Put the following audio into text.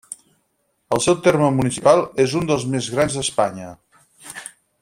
El seu terme municipal és un dels més grans d'Espanya.